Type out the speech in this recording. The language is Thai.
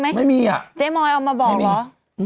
ไม่มีอ่ะไม่มีอ่ะเจ๊มอยออกมาบอกเหรอ